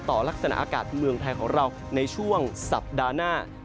ลักษณะอากาศเมืองไทยของเราในช่วงสัปดาห์หน้า